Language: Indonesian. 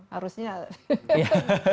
harusnya ada enggak